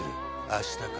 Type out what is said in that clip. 明日か？